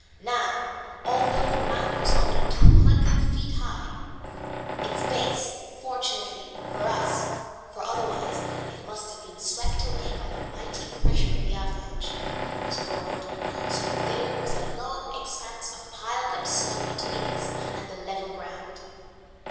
Now, although the mount was under two hundred feet high, its base, fortunately for us for otherwise it must have been swept away by the mighty pressure of the avalanche was broad, so that there was a long expanse of piled up snow between us and the level ground.